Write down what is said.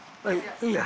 いいや。